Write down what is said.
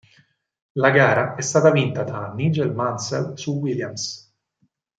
La gara è stata vinta da Nigel Mansell su Williams.